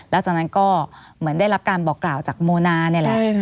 แล้วจากนั้นก็เหมือนได้รับการบอกกล่าวจากโมนานี่แหละ